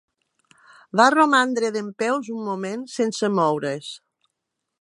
Va romandre dempeus un moment sense moure's.